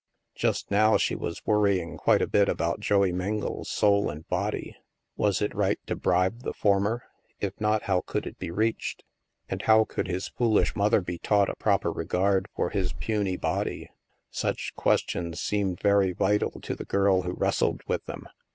Just now, she was worrying quite a bit about Joey Mengle's soul and body. Was it right to bribe the former ? If not, how could it be reached ? And how could his foolish mother be taught a proper re gard for his puny body? Such questions seemed very vital to the girl who wrestled with them.